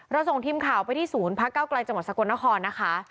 เราส่งทีมข่าวไปที่ศูนย์พักก้าวกลายจังหวัดศักรณคอนนะคะ